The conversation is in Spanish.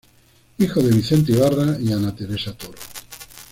Hijo de Vicente Ibarra y Ana Teresa Toro.